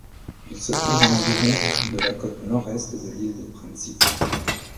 Il se trouve à environ de la côte nord-est de l'île de Principe.